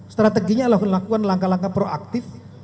strateginya adalah melakukan langkah langkah proaktif